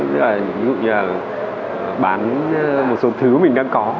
ví dụ như là bán một số thứ mình đang có